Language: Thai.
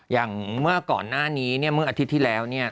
อย่างเมื่อก่อนหน้านี้เมื่ออาทิตย์ที่แล้ว